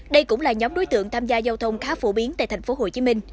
đây cũng là nhóm đối tượng tham gia giao thông khá phổ biến tại tp hcm